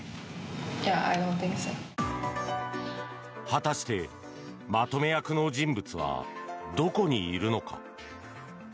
果たして、まとめ役の人物はどこにいるのか。